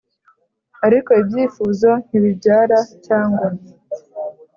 ariko ibyifuzo ntibibyara, cyangwa